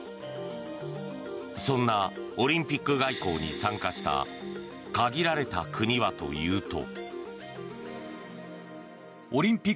そんなオリンピック外交に参加した限られた国はというと。